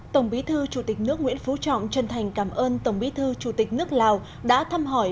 tổng bí thư chủ tịch nước nguyễn phú trọng chân thành cảm ơn tổng bí thư chủ tịch nước lào đã thăm hỏi